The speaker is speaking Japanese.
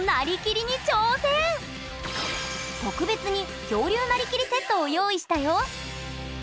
特別に恐竜なりきりセットを用意したよ！